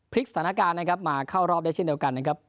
สถานการณ์นะครับมาเข้ารอบได้เช่นเดียวกันนะครับ